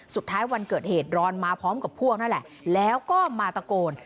วันเกิดเหตุรอนมาพร้อมกับพวกนั่นแหละแล้วก็มาตะโกน